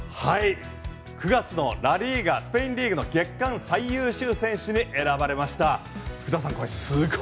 ９月のラ・リーガスペインリーグの月間最優秀選手に選ばれました。